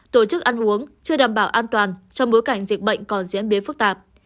tổ chức ăn uống chưa đảm bảo an toàn trong bối cảnh dịch bệnh còn diễn biến phức tạp